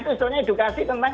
itu soalnya edukasi tentang